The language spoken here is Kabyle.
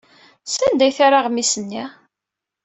Sanda ay terra aɣmis-nni?